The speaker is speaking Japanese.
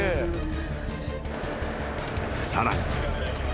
［さらに］